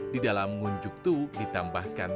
di dalam ngunjuk tu ditambahkan